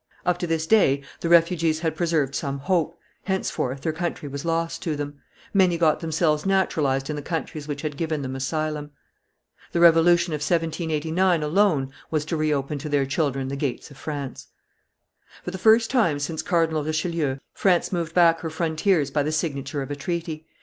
Up to this day the refugees had preserved some hope, henceforth their country was lost to them; many got themselves naturalized in the countries which had given them asylum. The revolution of 1789 alone was to re open to their children the gates of France. For the first time since Cardinal Richelieu, France moved back her frontiers by the signature of a treaty.